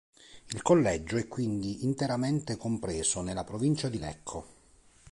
Il collegio è quindi interamente compreso nella provincia di Lecco.